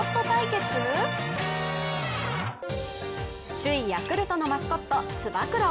首位ヤクルトのマスコット、つば九郎。